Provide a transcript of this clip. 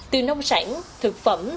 từ nông sản thực phẩm